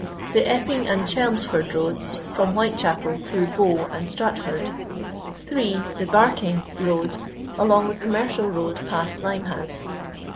The Bpping and Chdv^ford Roads, from Whitechapel, through Bow and Stratford. 3. Th4 Barking Road, along the Commercial Road past Limehouse.